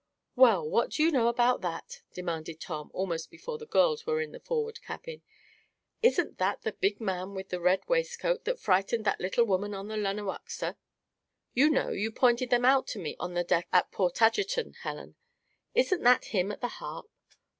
"Well, what do you know about that?" demanded Tom, almost before the girls were in the forward cabin. "Isn't that the big man with the red waistcoat that frightened that little woman on the Lanawaxa? You know, you pointed them out to me on the dock at Portageton, Helen? Isn't that him at the harp?"